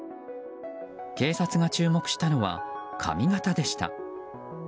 警察が注目したのは髪形でした。